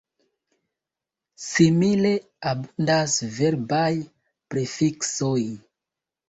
Simile, abundas verbaj prefiksoj.